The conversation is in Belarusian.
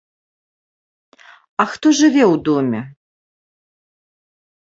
А хто жыве ў доме?